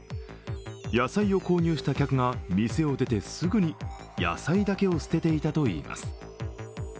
野菜を購入した客が店を出てすぐに野菜だけを捨てていたといいます。